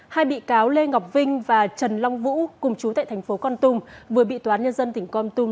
hai bị cáo lê ngọc vinh và trần long vũ cùng chú tại thành phố con tum vừa bị toán nhân dân tỉnh con tùm